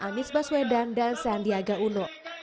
nisbah swedan dan sandiaga uno